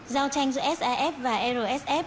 giao tranh giữa saf và rsf